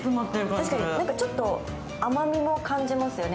確かに、ちょっとお肉の甘みも感じますよね。